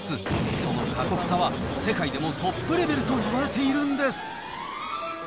その過酷さは、世界でもトップレベルといわれているんです。